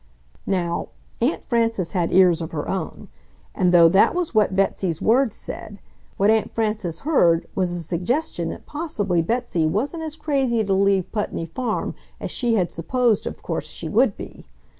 Now, Aunt Frances had ears of her own, and though that was what Betsy's words said, what Aunt Frances heard was a suggestion that possibly Betsy wasn't as crazy to leave Putney Farm as she had supposed of course she would be.